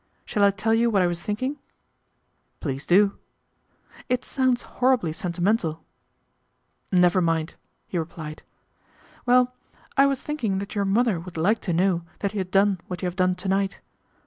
Shall I tell you what I was thinking ?"" Please do." " It sounds horribly sentimental." " Never mind," he replied. ' Well, I was thinking that your mother would like to know that you had done what you have done to night.